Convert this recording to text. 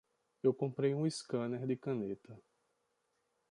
Eu comprei um scanner de caneta.